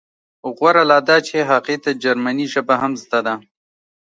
غوره لا دا چې هغې ته جرمني ژبه هم زده ده